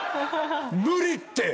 無理って！